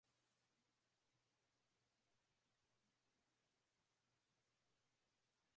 Ni jambo ambalo limeifanya Kenya kujizolea sifa nyingi kote ulimwenguni